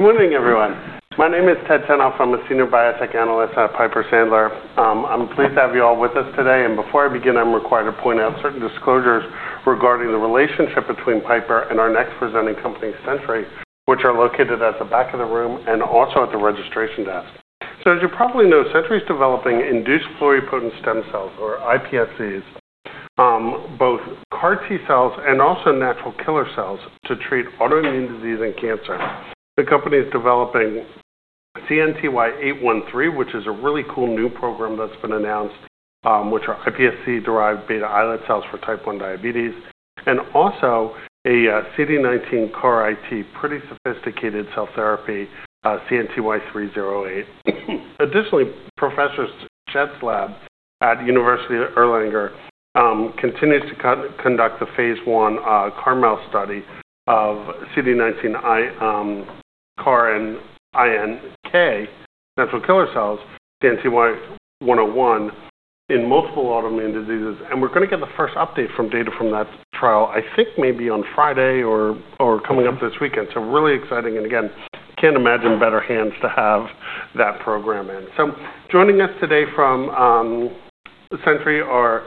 Good morning, everyone. My name is Ted Tenthoff. I'm a senior biotech analyst at Piper Sandler. I'm pleased to have you all with us today. And before I begin, I'm required to point out certain disclosures regarding the relationship between Piper Sandler and our next presenting company, Century, which are located at the back of the room and also at the registration desk. So, as you probably know, Century is developing induced pluripotent stem cells, or iPSCs, both CAR T cells and also natural killer cells to treat autoimmune disease and cancer. The company is developing CNTY813, which is a really cool new program that's been announced, which are iPSC-derived beta islet cells for type 1 diabetes, and also a CD19 CAR-iT, pretty sophisticated cell therapy, CNTY308. Additionally, Professor Schett's lab at the University of Erlangen-Nuremberg continues to conduct the phase one Carmel study of CD19 CAR-NK natural killer cells, CNTY-101, in multiple autoimmune diseases. And we're going to get the first update from data from that trial, I think maybe on Friday or coming up this weekend. So, really exciting. And again, can't imagine better hands to have that program in. So, joining us today from Century are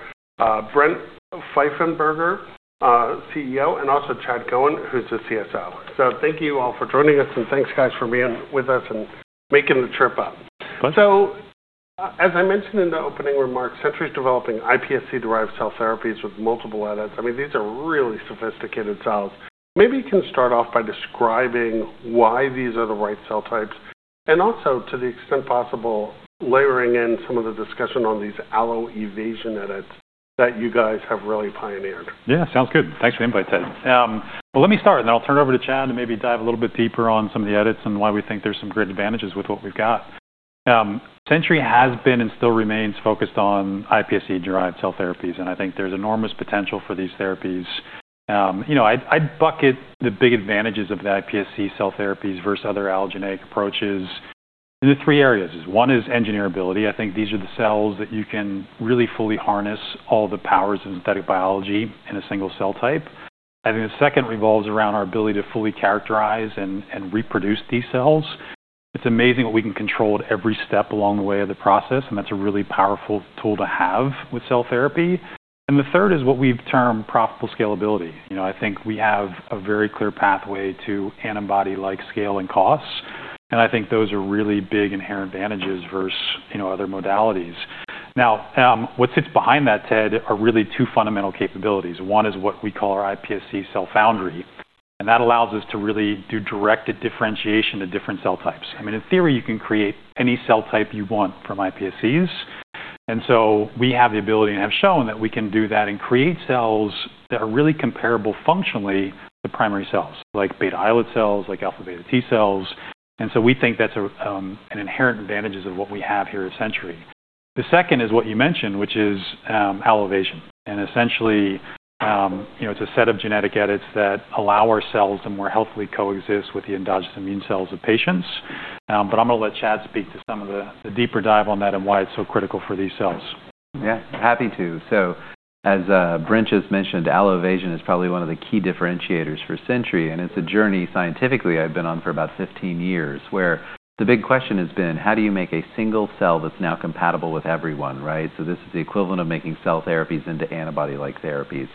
Brent Pfeiffenberger, CEO, and also Chad Cowan, who's the CSO. So, thank you all for joining us, and thanks, guys, for being with us and making the trip up. So, as I mentioned in the opening remarks, Century is developing iPSC-derived cell therapies with multiple edits. I mean, these are really sophisticated cells. Maybe you can start off by describing why these are the right cell types and also, to the extent possible, layering in some of the discussion on these Alloevasion edits that you guys have really pioneered. Yeah, sounds good. Thanks for the invite, Ted. Let me start, and then I'll turn it over to Chad to maybe dive a little bit deeper on some of the edits and why we think there's some great advantages with what we've got. Century has been and still remains focused on iPSC-derived cell therapies, and I think there's enormous potential for these therapies. You know, I'd bucket the big advantages of the iPSC cell therapies versus other allogeneic approaches into three areas. One is engineerability. I think these are the cells that you can really fully harness all the powers of synthetic biology in a single cell type. I think the second revolves around our ability to fully characterize and reproduce these cells. It's amazing what we can control at every step along the way of the process, and that's a really powerful tool to have with cell therapy. And the third is what we've termed profitable scalability. You know, I think we have a very clear pathway to antibody-like scale and costs, and I think those are really big inherent advantages versus other modalities. Now, what sits behind that, Ted, are really two fundamental capabilities. One is what we call our iPSC cell foundry, and that allows us to really do direct differentiation of different cell types. I mean, in theory, you can create any cell type you want from iPSCs. And so, we have the ability and have shown that we can do that and create cells that are really comparable functionally to primary cells, like beta islet cells, like alpha beta T cells. And so, we think that's an inherent advantage of what we have here at Century. The second is what you mentioned, which is alloevasion. Essentially, you know, it's a set of genetic edits that allow our cells to more healthily coexist with the endogenous immune cells of patients. I'm going to let Chad speak to some of the deeper dive on that and why it's so critical for these cells. Yeah, happy to. So, as Brent just mentioned, Alloevasion is probably one of the key differentiators for Century, and it's a journey scientifically I've been on for about 15 years, where the big question has been, how do you make a single cell that's now compatible with everyone, right? So, this is the equivalent of making cell therapies into antibody-like therapies.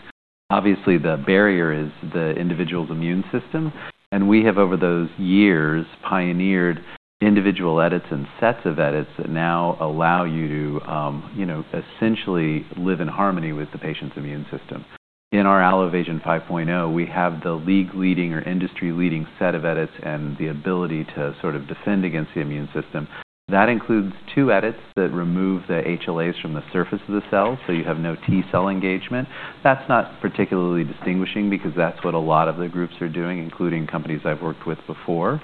Obviously, the barrier is the individual's immune system, and we have, over those years, pioneered individual edits and sets of edits that now allow you to, you know, essentially live in harmony with the patient's immune system. In our Alloevasion 5.0, we have the league-leading or industry-leading set of edits and the ability to sort of defend against the immune system. That includes two edits that remove the HLAs from the surface of the cell, so you have no T cell engagement. That's not particularly distinguishing because that's what a lot of the groups are doing, including companies I've worked with before.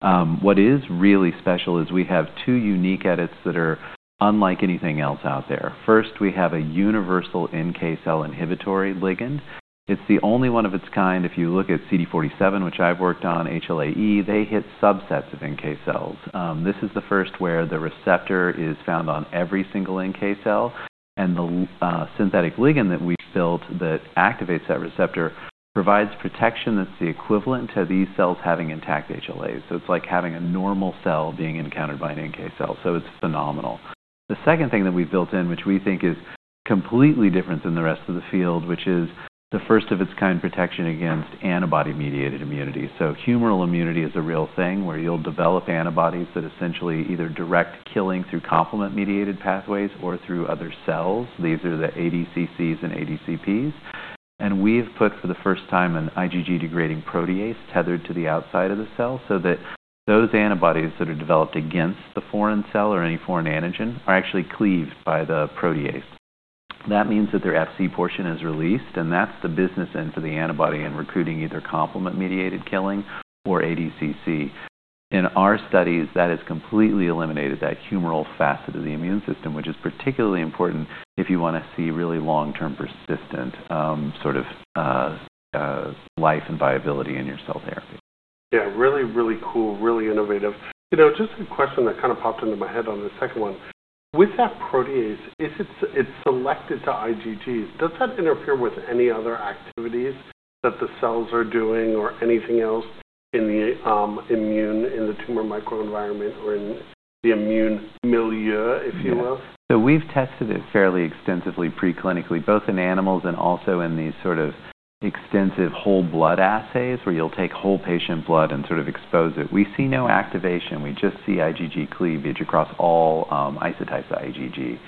What is really special is we have two unique edits that are unlike anything else out there. First, we have a universal NK cell inhibitory ligand. It's the only one of its kind. If you look at CD47, which I've worked on, HLA-E, they hit subsets of NK cells. This is the first where the receptor is found on every single NK cell, and the synthetic ligand that we've built that activates that receptor provides protection that's the equivalent to these cells having intact HLAs. So, it's like having a normal cell being encountered by an NK cell. So, it's phenomenal. The second thing that we've built in, which we think is completely different than the rest of the field, which is the first of its kind protection against antibody-mediated immunity. So, humoral immunity is a real thing where you'll develop antibodies that essentially either direct killing through complement-mediated pathways or through other cells. These are the ADCCs and ADCPs. And we've put, for the first time, an IgG degrading protease tethered to the outside of the cell so that those antibodies that are developed against the foreign cell or any foreign antigen are actually cleaved by the protease. That means that their Fc portion is released, and that's the business end for the antibody in recruiting either complement-mediated killing or ADCC. In our studies, that has completely eliminated that humoral facet of the immune system, which is particularly important if you want to see really long-term persistent sort of life and viability in your cell therapy. Yeah, really, really cool, really innovative. You know, just a question that kind of popped into my head on the second one. With that protease, if it's selected to IgG, does that interfere with any other activities that the cells are doing or anything else in the immune, in the tumor microenvironment, or in the immune milieu, if you will? Yeah. So, we've tested it fairly extensively preclinically, both in animals and also in these sort of extensive whole blood assays where you'll take whole patient blood and sort of expose it. We see no activation. We just see IgG cleavage across all isotypes of IgG.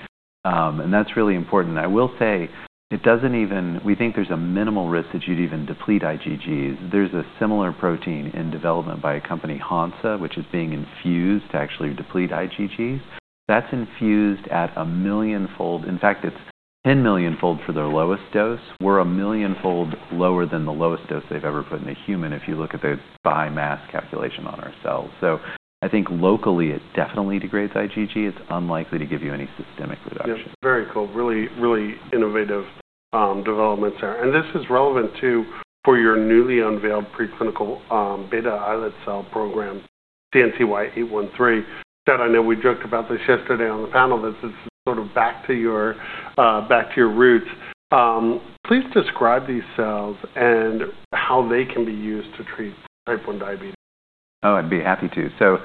And that's really important. I will say it doesn't even. We think there's a minimal risk that you'd even deplete IgGs. There's a similar protein in development by a company, Hansa, which is being infused to actually deplete IgGs. That's infused at a million-fold. In fact, it's 10 million-fold for their lowest dose. We're a million-fold lower than the lowest dose they've ever put in a human if you look at their biomass calculation on our cells. So, I think locally it definitely degrades IgG. It's unlikely to give you any systemic reduction. Yeah, very cool. Really, really innovative developments there. And this is relevant too, for your newly unveiled preclinical beta islet cell program, CNTY813. Chad, I know we joked about this yesterday on the panel that this is sort of back to your roots. Please describe these cells and how they can be used to treat type 1 diabetes. Oh, I'd be happy to, so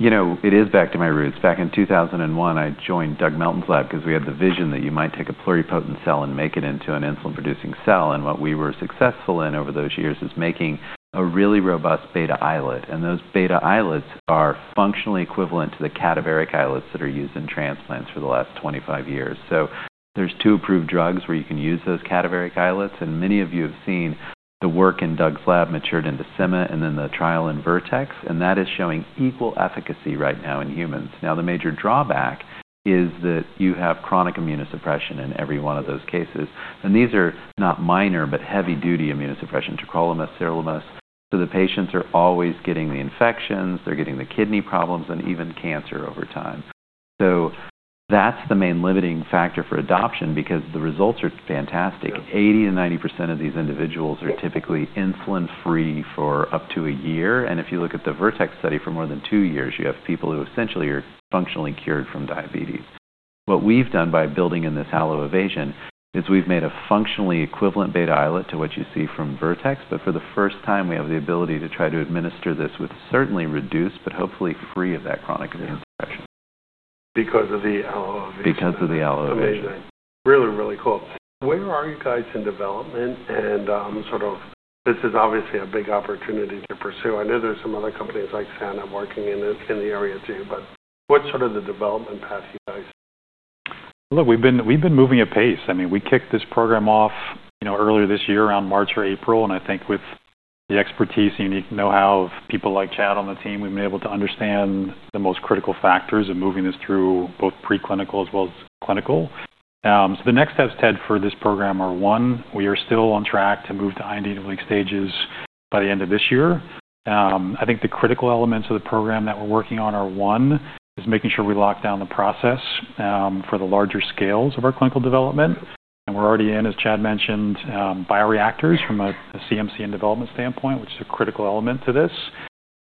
you know, it is back to my roots. Back in 2001, I joined Doug Melton's lab because we had the vision that you might take a pluripotent cell and make it into an insulin-producing cell. What we were successful in over those years is making a really robust beta islet. Those beta islets are functionally equivalent to the cadaveric islets that are used in transplants for the last 25 years. There's two approved drugs where you can use those cadaveric islets, and many of you have seen the work in Doug's lab matured into Semma and then the trial in Vertex, and that is showing equal efficacy right now in humans. Now, the major drawback is that you have chronic immunosuppression in every one of those cases. These are not minor, but heavy-duty immunosuppression, tacrolimus, sirolimus. The patients are always getting the infections, they're getting the kidney problems, and even cancer over time. That's the main limiting factor for adoption because the results are fantastic. 80%-90% of these individuals are typically insulin-free for up to a year. If you look at the Vertex study for more than two years, you have people who essentially are functionally cured from diabetes. What we've done by building in this Alloevasion is we've made a functionally equivalent beta islet to what you see from Vertex, but for the first time, we have the ability to try to administer this with certainly reduced, but hopefully free of that chronic immunosuppression. Because of the Alloevasion. Because of the Alloevasion. Really, really cool. Where are you guys in development? And sort of this is obviously a big opportunity to pursue. I know there's some other companies like Sana working in the area too, but what's sort of the development path you guys? Look, we've been moving at pace. I mean, we kicked this program off, you know, earlier this year, around March or April, and I think with the expertise, unique know-how of people like Chad on the team, we've been able to understand the most critical factors of moving this through both preclinical as well as clinical. So, the next steps, Ted, for this program are: one, we are still on track to move to IND-enabling stages by the end of this year. I think the critical elements of the program that we're working on are, one, is making sure we lock down the process for the larger scales of our clinical development, and we're already in, as Chad mentioned, bioreactors from a CMC and development standpoint, which is a critical element to this.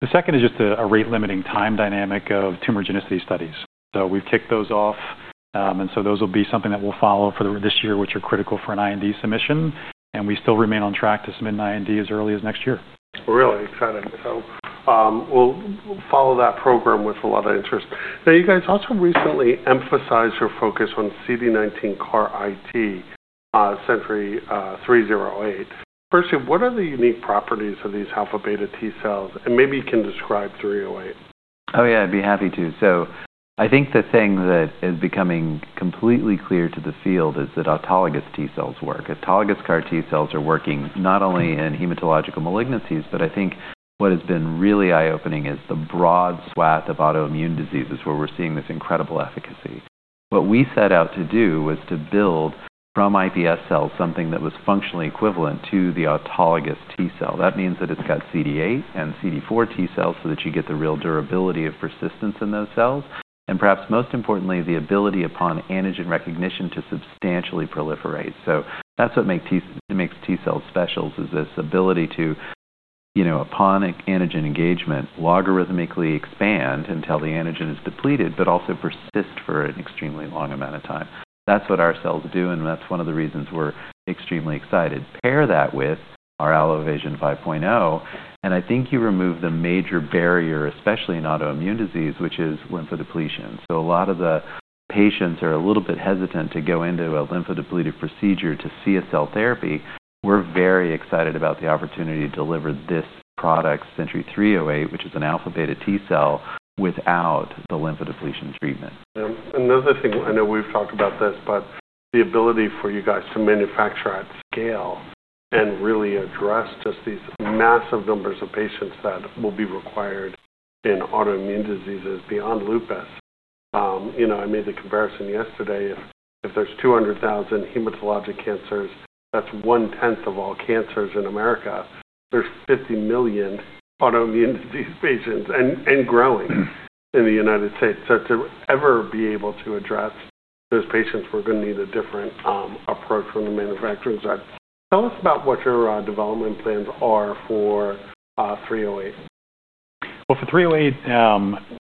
The second is just a rate-limiting time dynamic of tumorigenicity studies. We've kicked those off, and so those will be something that we'll follow for this year, which are critical for an IND submission. We still remain on track to submit an IND as early as next year. Really exciting. So, we'll follow that program with a lot of interest. Now, you guys also recently emphasized your focus on CD19 CAR-iT, CNTY-308. Firstly, what are the unique properties of these alpha beta T cells? And maybe you can describe 308. Oh, yeah, I'd be happy to. So, I think the thing that is becoming completely clear to the field is that autologous T cells work. Autologous CAR T cells are working not only in hematological malignancies, but I think what has been really eye-opening is the broad swath of autoimmune diseases where we're seeing this incredible efficacy. What we set out to do was to build from iPSC cells something that was functionally equivalent to the autologous T cell. That means that it's got CD8 and CD4 T cells so that you get the real durability of persistence in those cells, and perhaps most importantly, the ability upon antigen recognition to substantially proliferate. So, that's what makes T cells special, is this ability to, you know, upon antigen engagement, logarithmically expand until the antigen is depleted, but also persist for an extremely long amount of time. That's what our cells do, and that's one of the reasons we're extremely excited. Pair that with our Alloevasion 5.0, and I think you remove the major barrier, especially in autoimmune disease, which is lymphodepletion. So, a lot of the patients are a little bit hesitant to go into a lymphodepletive procedure to see a cell therapy. We're very excited about the opportunity to deliver this product, CNTY-308, which is an alpha beta T cell without the lymphodepletion treatment. Another thing, I know we've talked about this, but the ability for you guys to manufacture at scale and really address just these massive numbers of patients that will be required in autoimmune diseases beyond lupus. You know, I made the comparison yesterday. If there's 200,000 hematologic cancers, that's one-tenth of all cancers in America. There's 50 million autoimmune disease patients and growing in the United States. So, to ever be able to address those patients, we're going to need a different approach from the manufacturing side. Tell us about what your development plans are for 308? For 308,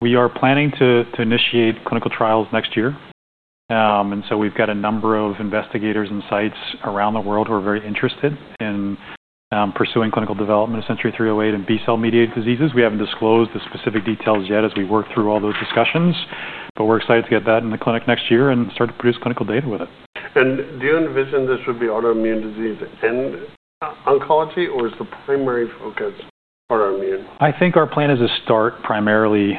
we are planning to initiate clinical trials next year. And so, we've got a number of investigators and sites around the world who are very interested in pursuing clinical development of Century 308 and B-cell-mediated diseases. We haven't disclosed the specific details yet as we work through all those discussions, but we're excited to get that in the clinic next year and start to produce clinical data with it. Do you envision this would be autoimmune disease and oncology, or is the primary focus autoimmune? I think our plan is to start primarily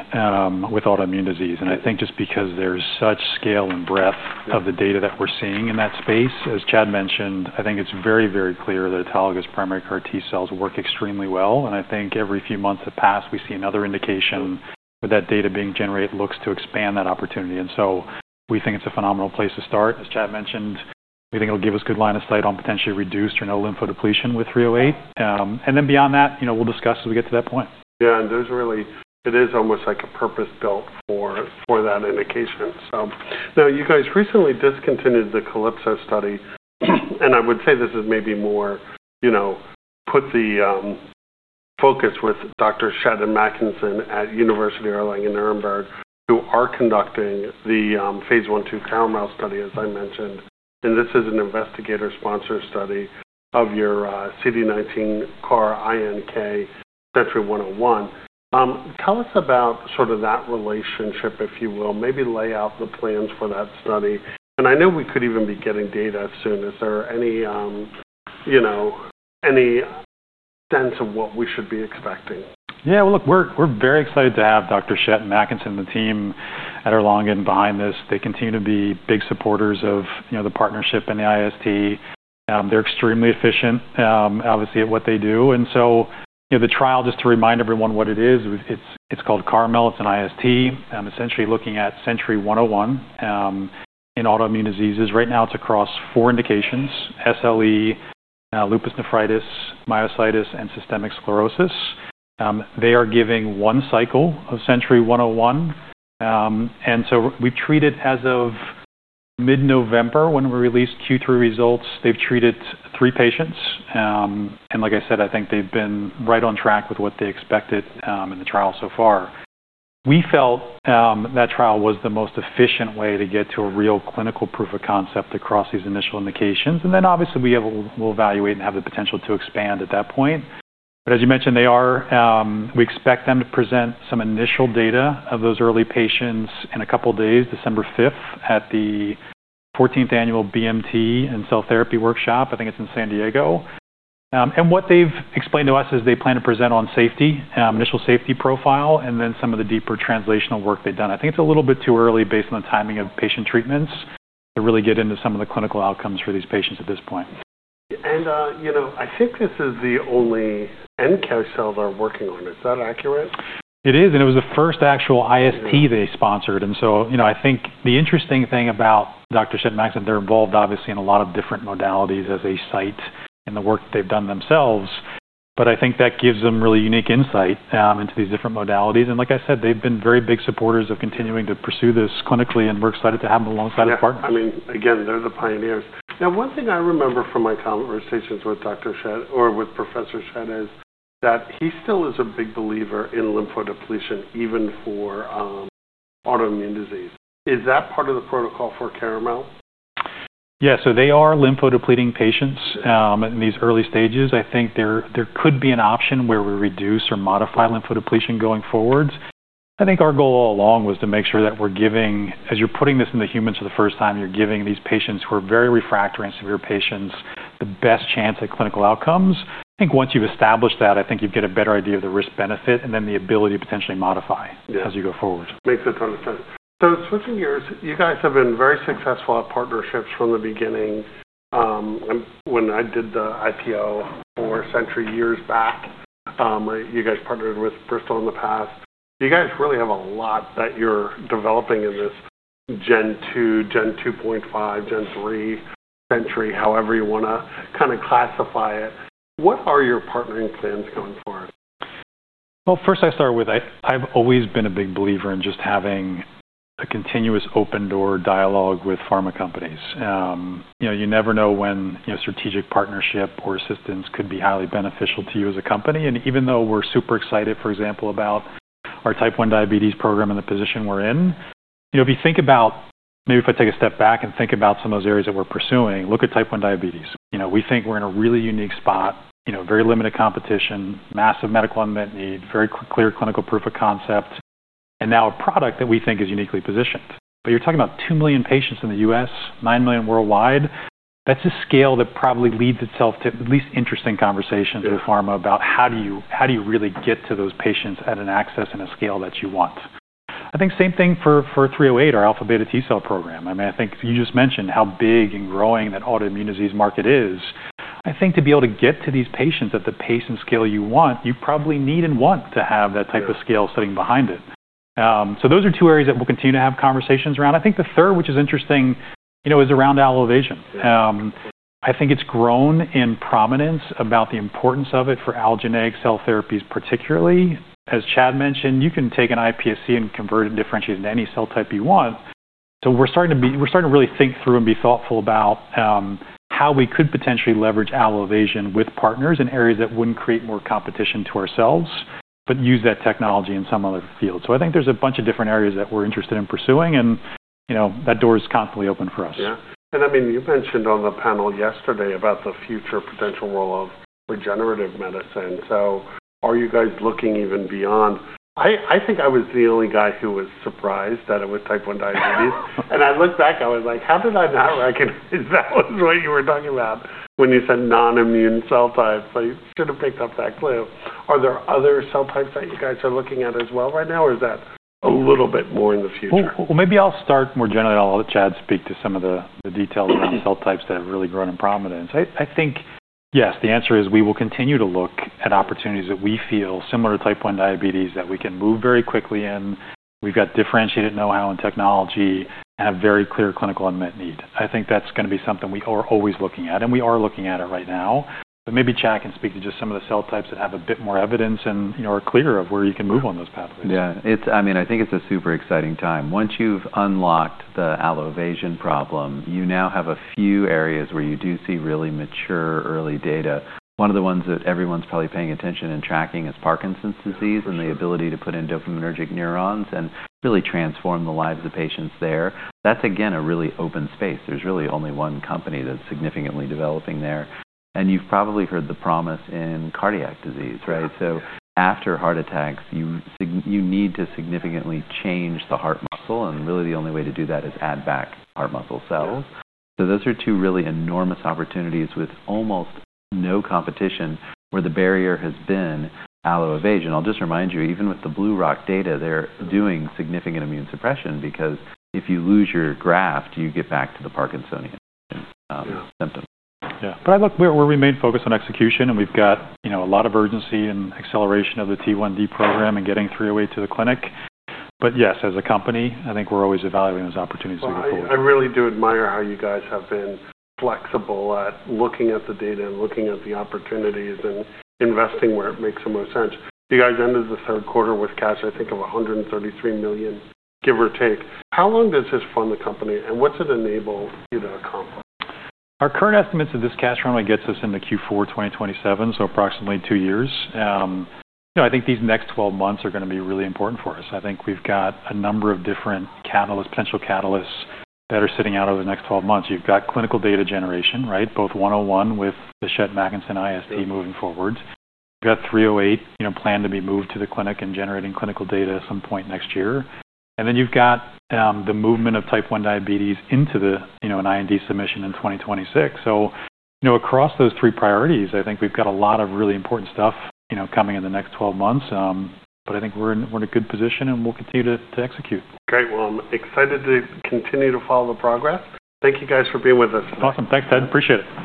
with autoimmune disease. And I think just because there's such scale and breadth of the data that we're seeing in that space, as Chad mentioned, I think it's very, very clear that autologous primary CAR T cells work extremely well. And I think every few months that pass, we see another indication with that data being generated looks to expand that opportunity. And so, we think it's a phenomenal place to start. As Chad mentioned, we think it'll give us good line of sight on potentially reduced or no lymphodepletion with 308. And then beyond that, you know, we'll discuss as we get to that point. Yeah, and there's really, it is almost like a purpose built for that indication. So, now you guys recently discontinued the Calypso study, and I would say this is maybe more, you know, put the focus with Dr. Andreas Mackensen at University of Erlangen-Nuremberg, who are conducting the phase 1/2 Carmel study, as I mentioned. And this is an investigator-sponsored study of your CD19 CAR-NK CNTY-101. Tell us about sort of that relationship, if you will. Maybe lay out the plans for that study. And I know we could even be getting data soon. Is there any, you know, any sense of what we should be expecting? Yeah, well, look, we're very excited to have Dr. Andreas Mackensen and the team at Erlangen behind this. They continue to be big supporters of, you know, the partnership and the IST. They're extremely efficient, obviously, at what they do. And so, you know, the trial, just to remind everyone what it is, it's called Carmel. It's an IST. I'm essentially looking at Century 101 in autoimmune diseases. Right now, it's across four indications: SLE, lupus nephritis, myositis, and systemic sclerosis. They are giving one cycle of Century 101. And so, we've treated as of mid-November when we released Q3 results, they've treated three patients. And like I said, I think they've been right on track with what they expected in the trial so far. We felt that trial was the most efficient way to get to a real clinical proof of concept across these initial indications. And then obviously, we will evaluate and have the potential to expand at that point. But as you mentioned, they are. We expect them to present some initial data of those early patients in a couple of days, December 5th, at the 14th Annual BMT and Cell Therapy Workshop. I think it's in San Diego. And what they've explained to us is they plan to present on safety, initial safety profile, and then some of the deeper translational work they've done. I think it's a little bit too early based on the timing of patient treatments to really get into some of the clinical outcomes for these patients at this point. You know, I think this is the only NK cell they're working on. Is that accurate? It is. And it was the first actual IST they sponsored. And so, you know, I think the interesting thing about Dr. Andreas Mackensen, they're involved obviously in a lot of different modalities as a site in the work that they've done themselves, but I think that gives them really unique insight into these different modalities. And like I said, they've been very big supporters of continuing to pursue this clinically, and we're excited to have them alongside our partners. Yeah, I mean, again, they're the pioneers. Now, one thing I remember from my conversations with Dr. Schett or with Professor Schett is that he still is a big believer in lymphodepletion even for autoimmune disease. Is that part of the protocol for Carmel? Yeah, so they are lymphodepleting patients in these early stages. I think there could be an option where we reduce or modify lymphodepletion going forward. I think our goal all along was to make sure that we're giving, as you're putting this in the humans for the first time, you're giving these patients who are very refractory and severe patients the best chance at clinical outcomes. I think once you've established that, I think you've got a better idea of the risk-benefit and then the ability to potentially modify as you go forward. Makes a ton of sense. Switching gears, you guys have been very successful at partnerships from the beginning. When I did the IPO for Century four years back, you guys partnered with Bristol in the past. You guys really have a lot that you're developing in this Gen 2, Gen 2.5, Gen 3, Century, however you want to kind of classify it. What are your partnering plans going forward? First I'll start with, I've always been a big believer in just having a continuous open-door dialogue with pharma companies. You know, you never know when strategic partnership or assistance could be highly beneficial to you as a company. And even though we're super excited, for example, about our Type 1 diabetes program and the position we're in, you know, if you think about, maybe if I take a step back and think about some of those areas that we're pursuing, look at Type 1 diabetes. You know, we think we're in a really unique spot, you know, very limited competition, massive medical unmet need, very clear clinical proof of concept, and now a product that we think is uniquely positioned. But you're talking about 2 million patients in the U.S., 9 million worldwide. That's a scale that probably lends itself to at least interesting conversations with pharma about how do you really get to those patients at an access and a scale that you want. I think same thing for 308, our alpha beta T cell program. I mean, I think you just mentioned how big and growing that autoimmune disease market is. I think to be able to get to these patients at the pace and scale you want, you probably need and want to have that type of scale sitting behind it. So, those are two areas that we'll continue to have conversations around. I think the third, which is interesting, you know, is around alloevasion. I think it's grown in prominence about the importance of it for allogeneic cell therapies, particularly. As Chad mentioned, you can take an iPSC and convert it, differentiate it into any cell type you want. So, we're starting to really think through and be thoughtful about how we could potentially leverage Alloevasion with partners in areas that wouldn't create more competition to ourselves, but use that technology in some other field. So, I think there's a bunch of different areas that we're interested in pursuing, and you know, that door is constantly open for us. Yeah, and I mean, you mentioned on the panel yesterday about the future potential role of regenerative medicine. So, are you guys looking even beyond? I think I was the only guy who was surprised that it was Type 1 diabetes, and I looked back. I was like, how did I not recognize that was what you were talking about when you said non-immune cell types? I should have picked up that clue. Are there other cell types that you guys are looking at as well right now, or is that a little bit more in the future? Well, maybe I'll start more generally. I'll let Chad speak to some of the details around cell types that have really grown in prominence. I think, yes, the answer is we will continue to look at opportunities that we feel similar to type 1 diabetes that we can move very quickly in. We've got differentiated know-how and technology and have very clear clinical unmet need. I think that's going to be something we are always looking at, and we are looking at it right now. But maybe Chad can speak to just some of the cell types that have a bit more evidence and, you know, are clearer of where you can move on those pathways. Yeah, it's, I mean, I think it's a super exciting time. Once you've unlocked the Alloevasion problem, you now have a few areas where you do see really mature early data. One of the ones that everyone's probably paying attention and tracking is Parkinson's disease and the ability to put in dopaminergic neurons and really transform the lives of patients there. That's, again, a really open space. There's really only one company that's significantly developing there. And you've probably heard the promise in cardiac disease, right? So, after heart attacks, you need to significantly change the heart muscle, and really the only way to do that is add back heart muscle cells. So, those are two really enormous opportunities with almost no competition where the barrier has been Alloevasion. I'll just remind you, even with the BlueRock data, they're doing significant immune suppression because if you lose your graft, you get back to the Parkinsonian symptoms. Yeah. But I look, we remain focused on execution, and we've got, you know, a lot of urgency and acceleration of the T1D program and getting 308 to the clinic. But yes, as a company, I think we're always evaluating those opportunities to move forward. I really do admire how you guys have been flexible at looking at the data and looking at the opportunities and investing where it makes the most sense. You guys ended the third quarter with cash, I think, of $133 million, give or take. How long does this fund the company, and what's it enabled you to accomplish? Our current estimates of this cash runway gets us into Q4 2027, so approximately two years. You know, I think these next 12 months are going to be really important for us. I think we've got a number of different catalysts, potential catalysts that are sitting out over the next 12 months. You've got clinical data generation, right? Both 101 with the Andreas Mackensen IST moving forward. You've got 308, you know, planned to be moved to the clinic and generating clinical data at some point next year. And then you've got the movement of type 1 diabetes into the, you know, an IND submission in 2026. So, you know, across those three priorities, I think we've got a lot of really important stuff, you know, coming in the next 12 months. But I think we're in a good position, and we'll continue to execute. Great. I'm excited to continue to follow the progress. Thank you guys for being with us. Awesome. Thanks, Ted. Appreciate it.